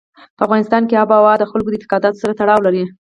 په افغانستان کې آب وهوا د خلکو د اعتقاداتو سره تړاو لري.